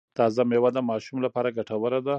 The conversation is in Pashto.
تازه میوه د ماشوم لپاره ګټوره ده۔